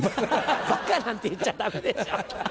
バカなんて言っちゃダメでしょ！